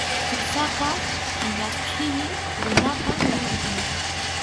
Usaqa qilla qhilli runatam tukun.